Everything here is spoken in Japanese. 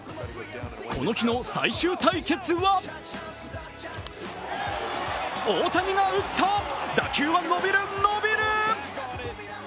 この日の最終対決は大谷が打った、打球は伸びる伸びる！